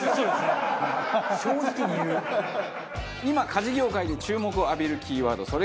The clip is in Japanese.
今家事業界で注目を浴びるキーワード